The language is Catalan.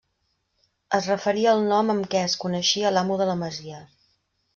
Es referia al nom amb què es coneixia l'amo de la masia.